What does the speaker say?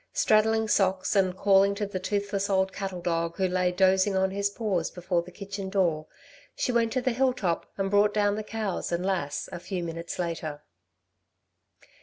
Straddling Socks, and calling to the toothless old cattle dog who lay dozing on his paws before the kitchen door, she went to the hill top and brought down the cows and Lass a few minutes later.